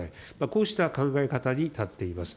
こうした考え方に立っています。